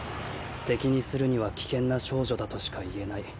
敵にするには危険な少女だとしか言えない。